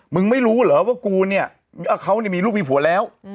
ไม่รู้เหรอว่ากูเนี่ยเขามีลูกมีผัวแล้ว